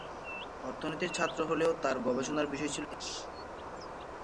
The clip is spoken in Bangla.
অর্থনীতির ছাত্র হলেও তার গবেষণার বিষয় ছিল ইতিহাস।